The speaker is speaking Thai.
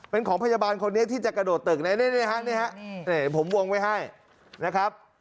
เป็นของพยาบาลคนนี้ที่จะกระโดดตึกนี่ฮะผมวงไว้ให้นะครับ